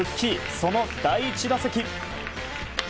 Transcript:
その第１打席。